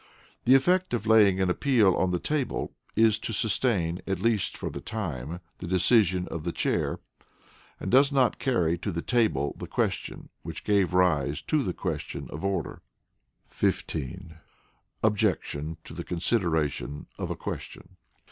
The effect of laying an appeal on the table, is to sustain, at least for the time, the decision of the Chair, and does not carry to the table the question which gave rise to the question of order. 15. Objection to the Consideration of a Question.